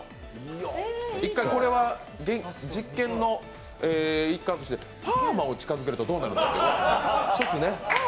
一回これは実験の一環としてパーマを近づけるとどうなるか、１つね。